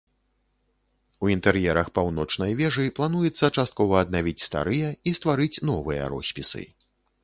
У інтэр'ерах паўночнай вежы плануецца часткова аднавіць старыя і стварыць новыя роспісы.